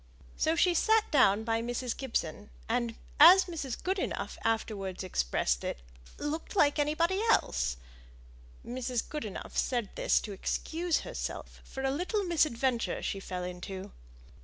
So she sat down by Mrs. Gibson, and as Mrs. Goodenough afterwards expressed it, "looked like anybody else." Mrs. Goodenough said this to excuse herself for a little misadventure she fell into.